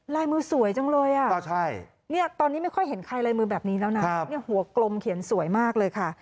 ลายมือสวยจังเลยอ่ะตอนนี้ไม่ค่อยเห็นใครลายมือแบบนี้แล้วนะหัวกลมเขียนสวยมากเลยค่ะ